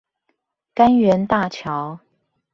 柑園大橋